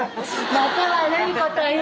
また悪いこと言う！